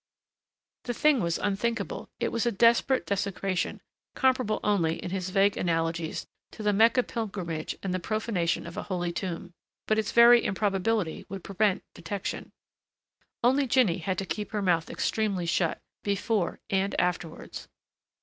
The thing was unthinkable. It was a desperate desecration, comparable only, in his vague analogies, to the Mecca pilgrimage and profanation of a Holy Tomb. But its very improbability would prevent detection. Only Jinny had to keep her mouth extremely shut before and afterwards.